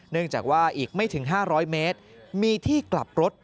เนื่องจากว่าอีกไม่ถึง๕๐๐เมตรมีที่กลับรถ